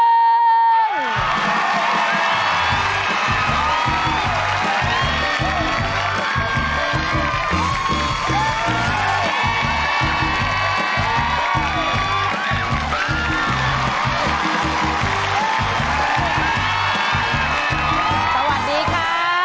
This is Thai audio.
สวัสดีค่ะ